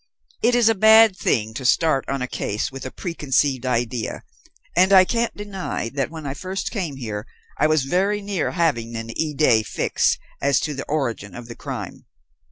It is a bad thing to start on a case with a preconceived idea, and I can't deny that when I first came here I was very near having an idée fixe as to the origin of the crime.